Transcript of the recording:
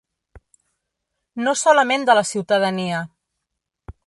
No solament de la ciutadania.